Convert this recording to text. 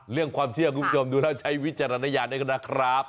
เรื่องความเชื่อคุณผู้ชมดูแล้วใช้วิจารณญาณด้วยกันนะครับ